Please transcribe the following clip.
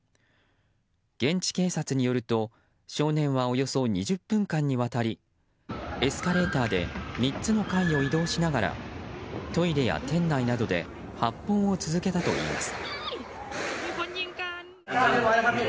現地警察によると、少年はおよそ２０分間にわたりエスカレーターで３つの階を移動しながらトイレや店内などで発砲を続けたといいます。